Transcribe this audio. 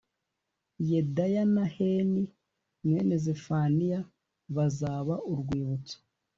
Yedaya na Heni mwene Zefaniya bazaba urwibutso